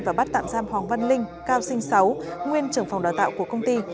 và bắt tạm giam hoàng văn linh cao sinh sáu nguyên trưởng phòng đào tạo của công ty